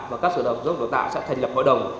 và các sở giáo dục và đào tạo sẽ thành lập hội đồng